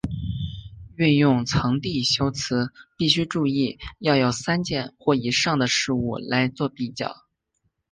运用层递修辞必须注意要有三件或以上的事物来作比较。